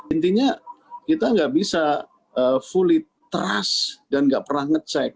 intinya kita nggak bisa fully trust dan nggak pernah ngecek